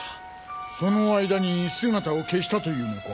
その間に姿を消したというのか？